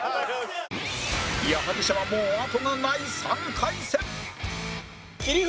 矢作舎はもう後がない３回戦切り札